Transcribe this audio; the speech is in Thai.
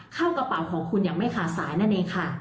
กระเป๋าของคุณอย่างไม่ขาดสายนั่นเองค่ะ